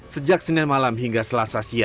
sejak senin malam hingga selesai